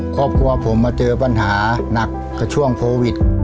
ครอบครัวผมเจอปัญหานักก็ช่วงโปรวิด